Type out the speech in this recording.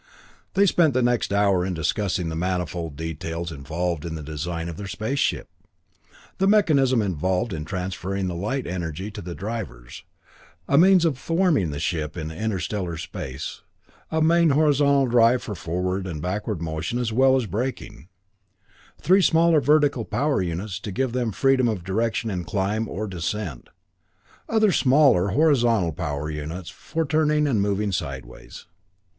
They spent the next hour in discussing the manifold details involved in the design of their space ship: the mechanism involved in transferring the light energy to the drivers; a means of warming the ship in interstellar space; a main horizontal drive for forward and backward motion as well as braking; three smaller vertical power units to give them freedom of direction in climb or descent; other smaller horizontal power units for turning and moving sideways.